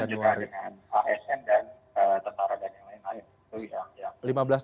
dan juga dengan asn dan tentara dan lain lain